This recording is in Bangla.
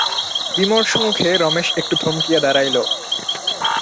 বিমর্ষমুখে রমেশ একটু থমকিয়া দাঁড়াইল।